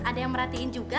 ada yang merhatiin juga